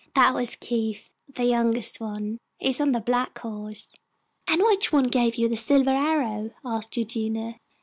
"That was Keith, the youngest one. He is on the black hawse." "And which one gave you the silver arrow?" asked Eugenia.